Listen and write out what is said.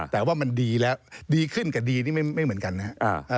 แต่ว่ามันดีแล้วดีขึ้นกับดีนี่ไม่เหมือนกันนะครับ